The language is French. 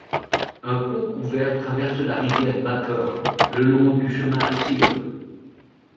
Un pont couvert traverse la rivière Baker, le long du chemin Cyr.